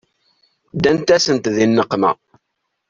Ddant-asent di nneqma.